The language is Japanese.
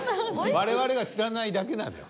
我々が知らないだけなのよ。